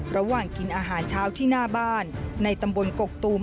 ระหว่างกินอาหารเช้าที่หน้าบ้านในตำบลกกตูม